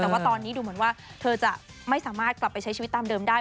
แต่ว่าตอนนี้ดูเหมือนว่าเธอจะไม่สามารถกลับไปใช้ชีวิตตามเดิมได้